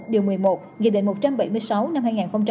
điều một mươi một nghị định một trăm bảy mươi sáu năm hai nghìn một mươi